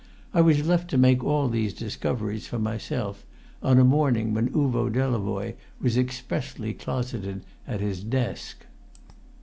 I was left to make all these discoveries for myself, on a morning when Uvo Delavoye was expressly closeted at his desk.